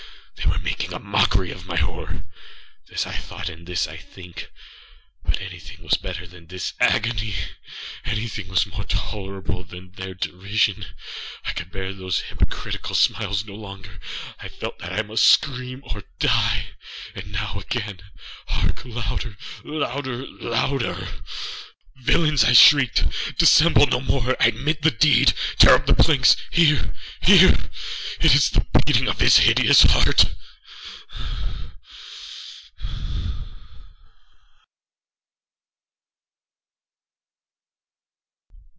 âthey were making a mockery of my horror!âthis I thought, and this I think. But anything was better than this agony! Anything was more tolerable than this derision! I could bear those hypocritical smiles no longer! I felt that I must scream or die! and nowâagain!âhark! louder! louder! louder! louder! âVillains!â I shrieked, âdissemble no more! I admit the deed!âtear up the planks!âhere, here!âIt is the beating of his hideous heart!